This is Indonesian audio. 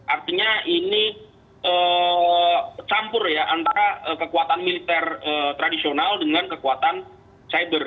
artinya ini campur ya antara kekuatan militer tradisional dengan kekuatan cyber